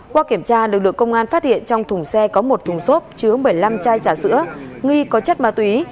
qua kiểm tra lực lượng công an phát hiện trong thùng xe có một thùng xốp chứa một mươi năm chai trà sữa nghi có chất ma túy